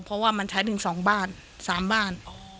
เพราะว่ามันใช้หนึ่งสองบ้านสามบ้านอ๋อ